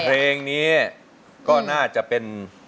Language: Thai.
เพลงนี้ก็น่าจะเป็น